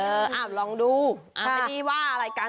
เออลองดูอันนี้ว่ารายการ